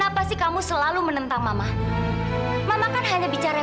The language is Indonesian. apakah kamu mau berbinaryéri bersama removing ch scares ya